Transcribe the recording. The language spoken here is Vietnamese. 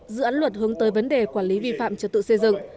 dự án luật hướng tới vấn đề quản lý vi phạm trật tự xây dựng